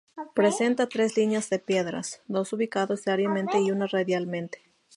Presenta tres líneas de piedras, dos ubicadas diametralmente y una radialmente.